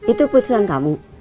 itu keputusan kamu